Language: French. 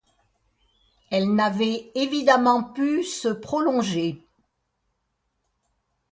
Elle n’avait évidemment pu se prolonger